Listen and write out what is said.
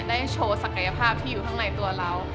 ได้โชว์ศักยภาพที่อยู่ข้างในตัวเรา